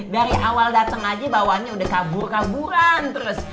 dari awal datang aja bawaannya udah kabur kaburan terus